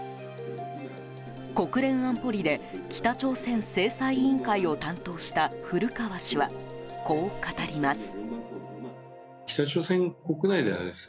国連安保理で北朝鮮制裁委員会を担当した古川氏は、こう語ります。